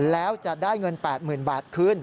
แล้วจะได้เงิน๘๐๐๐บาทคืน